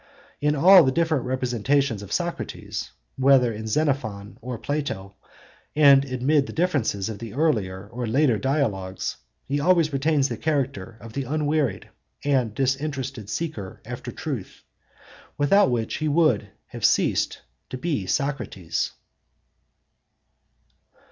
In all the different representations of Socrates, whether of Xenophon or Plato, and amid the differences of the earlier or later Dialogues, he always retains the character of the unwearied and disinterested seeker after truth, without which he would have ceased to be Socrates.